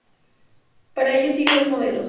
Para ello sigue dos modelos.